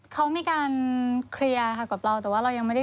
เขามีการเคลียร์ค่ะกับเราแต่ว่าเรายังไม่ได้